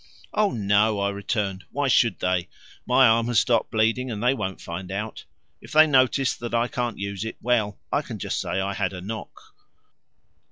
"Oh no," I returned, "why should they? My arm has stopped bleeding, and they won't find out. If they notice that I can't use it well, I can just say I had a knock."